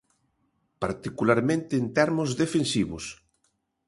Particularmente en termos defensivos.